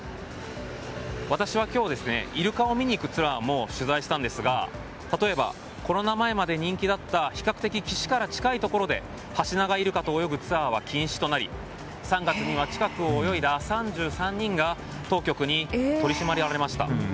私は今日イルカを見に行くツアーも取材したんですが例えばコロナ前まで人気だった比較的、岸から近いところでハシナガイルカと泳ぐツアーは禁止となり３月には近くを泳いだ３３人が当局に取り締まられました。